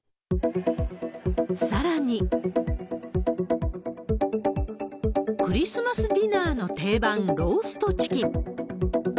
さらに、クリスマスディナーの定番、ローストチキン。